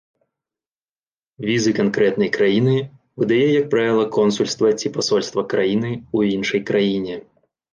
Візы канкрэтнай краіны выдае як правіла консульства ці пасольства краіны ў іншай краіне.